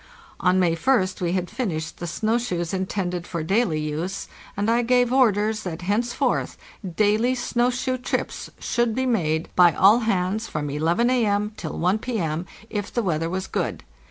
On May Ist we had finished the snow shoes intended for daily use, and I gave orders that, henceforth, daily snow shoe trips should be made by all hands from 11 A.M. till 1 P.M., if the weather was good.